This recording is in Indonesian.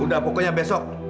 udah pokoknya besok